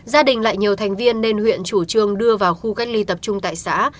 gia đình lại nhiều thành viên nên huyện chủ trương đưa vào khu cách ly tập trung tại xã